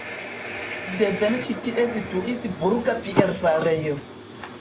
Devene ĉi tie situis burga bierfarejo.